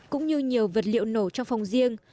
cũng như nhiều vật liệu nổ trong phòng riêng